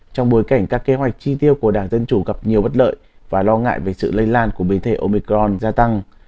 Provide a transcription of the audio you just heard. trong bối cảnh các kế hoạch chi tiêu của đảng dân chủ gặp nhiều bất lợi và lo ngại về sự lây lan của biến thể omicron gia tăng